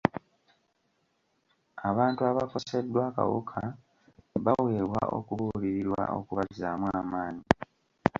Abantu abakoseddwa akawuka baweebwa okubuulirirwa okubazzamu amaanyi.